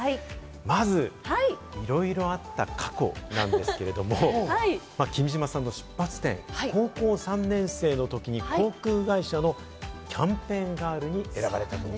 まず、いろいろあった過去なんですけれども、君島さんの出発点、高校３年生のときに航空会社のキャンペーンガールに選ばれたと。